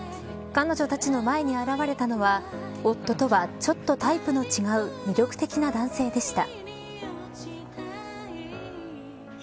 彼女たちの前に現れたのは夫とは、ちょっとタイプの違う魅力的な男性でした。